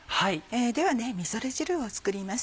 ではみぞれ汁を作ります。